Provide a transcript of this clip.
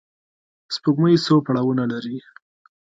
سپوږمۍ څو پړاوونه لري